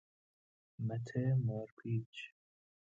مته مارپیچ